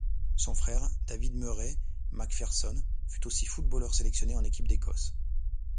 Son frère, David Murray McPherson, fut aussi footballeur sélectionné en équipe d'Écosse.